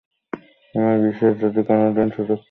আমার বিশ্বাস, যদি কোনো দিন সুযোগ পাই, আমি ভালো কিছু করবই।